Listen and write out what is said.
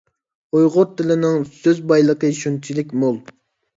ئۇيغۇر تىلىنىڭ سۆز بايلىقى شۇنچىلىك مول!